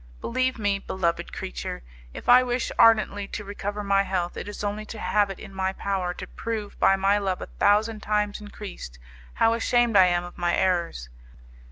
Believe me, beloved creature, if I wish ardently to recover my health, it is only to have it in my power to prove by my love a thousand times increased, how ashamed I am of my errors.